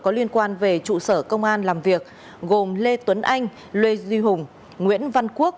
có liên quan về trụ sở công an làm việc gồm lê tuấn anh lê duy hùng nguyễn văn quốc